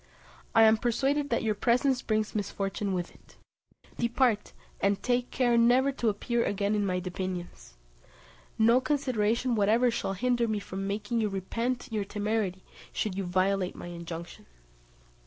I am persuaded that your presence brings misfortune with it. Depart, and take care never to appear again in my dominions. No consideration whatever shall hinder me from making you repent your temerity should you violate my injunction."